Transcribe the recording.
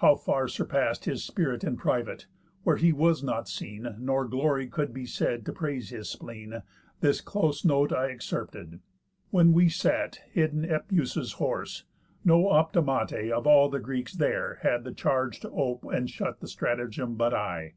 How far surpast His spirit in private, where he was not seen, Nor glory could be said to praise his spleen, This close note I excerpted. When we sat Hid in Epëus' horse, no optimate Of all the Greeks there had the charge to ope And shut the stratagem but I.